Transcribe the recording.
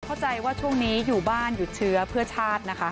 เข้าใจว่าช่วงนี้อยู่บ้านหยุดเชื้อเพื่อชาตินะคะ